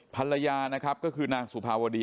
ภรรยานะครับก็คือนางสุภาวดี